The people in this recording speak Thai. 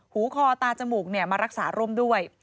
หูคอตาจมูกมารักษาร่มด้วย